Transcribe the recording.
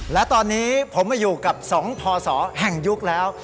และตอนนี้ผมมาอยู่กับ๒พศแห่งยุคแล้ว